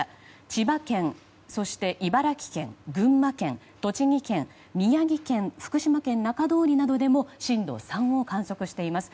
千葉県、そして茨城県、群馬県栃木県、宮城県、福島県の中通りなどでも震度３を観測しています。